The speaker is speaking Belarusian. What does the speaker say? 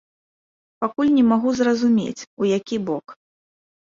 Пакуль не магу зразумець, у які бок.